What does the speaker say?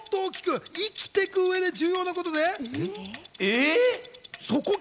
生きていく上でもっと重要なことで。